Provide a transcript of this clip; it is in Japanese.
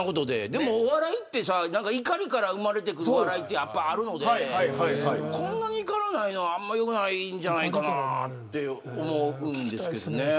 でも、お笑いって怒りから生まれてくるお笑いってあるのでこんなに怒らないのはあんまり良くないんじゃないかなと思うんですけどね。